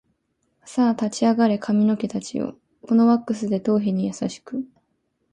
さあ立ち上がれ髪の毛たちよ、このワックスで頭皮に優しく